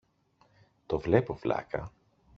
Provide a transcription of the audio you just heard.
Το βλέπω, βλάκα!